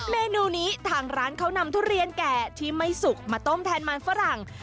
เมนูนี้ทางร้านเขานำทุเรียนแก่ที่ไม่สุกมาต้มแทนมันฝรั่ง